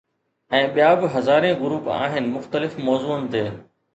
۽ ٻيا به هزارين گروپ آهن مختلف موضوعن تي.